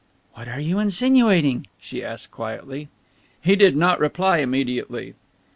"What are you insinuating?" she asked quietly. He did not reply immediately.